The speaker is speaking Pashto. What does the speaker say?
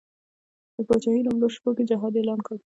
د پاچهي لومړیو شپو کې جهاد اعلان کړ.